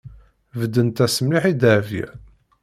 Beddent-as mliḥ i Dahbiya.